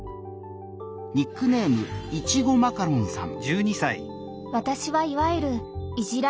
ニックネームいちごマカロンさん。